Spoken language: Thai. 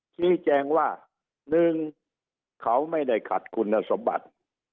ชี้แจงว่า๑เขาไม่ได้ขัดคุณสมบัติ